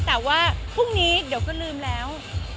แต่ว่าพรุ่งนี้เดี๋ยวก็ลืมแล้ว